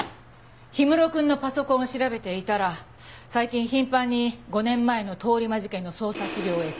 氷室くんのパソコンを調べていたら最近頻繁に５年前の通り魔事件の捜査資料を閲覧してた。